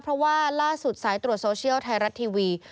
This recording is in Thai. เพราะว่าล่าสุดสายตรวจโซเชียลไทยรัฐทีวี